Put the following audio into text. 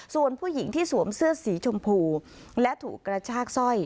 ส่วนผู้หญิงที่สวมเสื้อสีชมพูและถูกกระชากสร้อย